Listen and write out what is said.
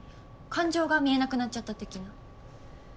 感情が見えなくなっちゃった的な。